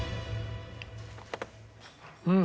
うん！